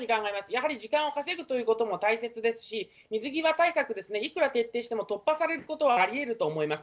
やはり時間を稼ぐということも大切ですし、水際対策ですね、いくら徹底しても突破されることはありえると思います。